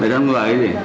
về trong người ấy gì